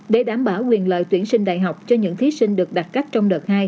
để đảm bảo quyền lợi tuyển sinh đại học cho những thí sinh được đặt cách trong đợt hai